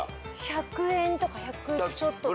１００円とか１００ちょっと。